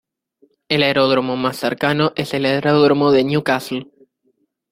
El aeródromo más cercano es el Aeródromo de Newcastle.